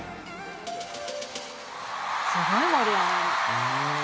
すごい盛り上がり。